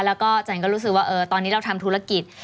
แล้วก็จันก็รู้สึกว่าตอนนี้เราทำธุรกิจ